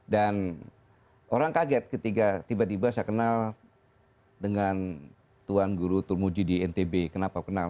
dan orang kaget ketika tiba tiba saya kenal dengan tuan guru tulmuji di ntb kenapa kenal